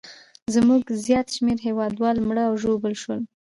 زموږ زیات شمېر هیوادوال مړه او ژوبل شول.